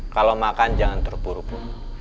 kalau makan jangan terpuru puru